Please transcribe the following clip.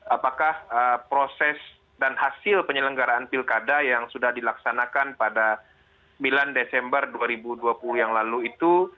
apakah proses dan hasil penyelenggaraan pilkada yang sudah dilaksanakan pada sembilan desember dua ribu dua puluh yang lalu itu